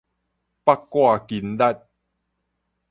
腹蓋筋力